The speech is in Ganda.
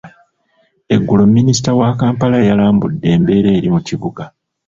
Eggulo Minisita wa Kampala yalambudde embeera eri mu kibuga.